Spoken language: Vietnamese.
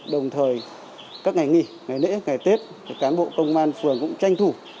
đồng thời các ngày nghỉ ngày lễ ngày tết cán bộ công an phường cũng tranh thủ